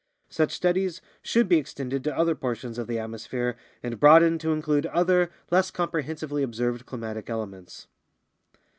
Such studies should be extended to other portions of the atmosphere and broadened to include other, less comprehensively observed climatic elements.